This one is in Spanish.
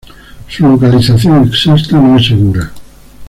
Su localización exacta no es segura.